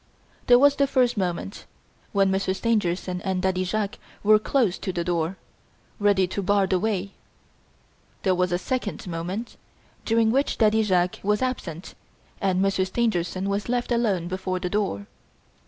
There was the first moment, when Monsieur Stangerson and Daddy Jacques were close to the door, ready to bar the way. There was the second moment, during which Daddy Jacques was absent and Monsieur Stangerson was left alone before the door.